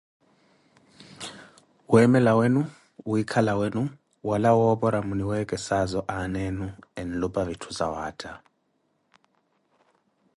Wemela wenu, wikhala wenu wala wopora mwiniwekesazo aana enu enlupa vitthu zawaatta.